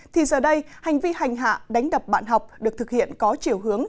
thì giờ đây hành vi hành hạ đánh đập bạn học được thực hiện có chiều hướng